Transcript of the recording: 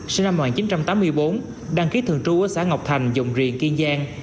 sinh năm một nghìn chín trăm tám mươi bốn đăng ký thường trú ở xã ngọc thành dòng riềng kiên giang